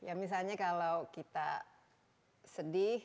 ya misalnya kalau kita sedih